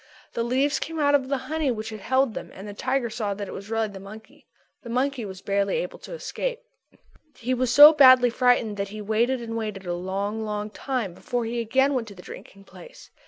The leaves came out of the honey which had held them and the tiger saw that it was really the monkey. The monkey was barely able to escape. He was so badly frightened that he waited and waited a long, long time before he again went to the drinking place.